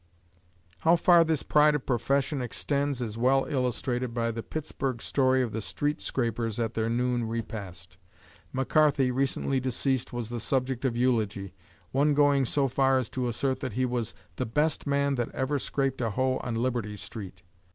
How far this "pride of profession" extends is well illustrated by the Pittsburgh story of the street scrapers at their noon repast. MacCarthy, recently deceased, was the subject of eulogy, one going so far as to assert that he was "the best man that ever scraped a hoe on Liberty Street."